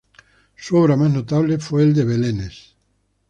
Su obra más notable fue el de Belenes.